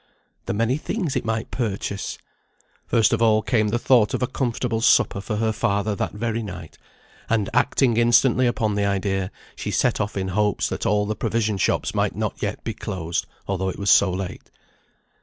The many things it might purchase! First of all came the thought of a comfortable supper for her father that very night; and acting instantly upon the idea, she set off in hopes that all the provision shops might not yet be closed, although it was so late.